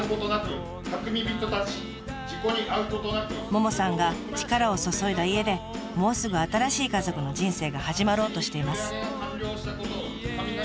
ももさんが力を注いだ家でもうすぐ新しい家族の人生が始まろうとしています。